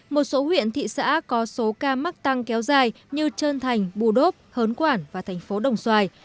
một số huyện thị xã có số ca mắc tăng kéo dài như trân thành bù đốp hớn quản và thành phố đồng xoài